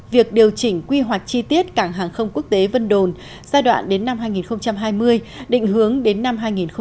việc điều chỉnh quy hoạch chi tiết cảng hàng không quốc tế vân đồn giai đoạn đến năm hai nghìn hai mươi định hướng đến năm hai nghìn ba mươi